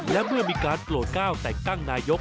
และเมื่อมีการโปรดก้าวแต่งตั้งนายก